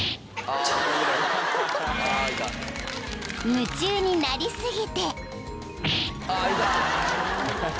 ［夢中になり過ぎて］